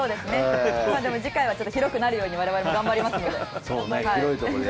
でも次回は広くなるように我々も頑張りますので。